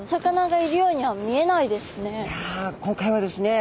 いや今回はですね